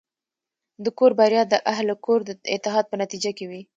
د کور بریا د اهلِ کور د اتحاد په نتیجه کې وي.